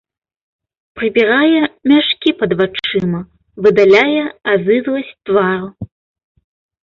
Прыбірае мяшкі пад вачыма, выдаляе азызласць з твару.